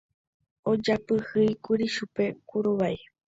ojapyhýkuri chupe kuruvai